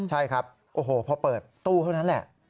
ใช่ครับโอ้โหพอเปิดตู้เท่านั้นแหละ